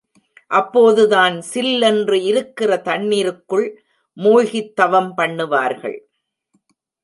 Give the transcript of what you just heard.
அப்போதுதான் சில்லென்று இருக்கிற தண்ணிருக்குள் மூழ்கித் தவம் பண்ணுவார்கள்.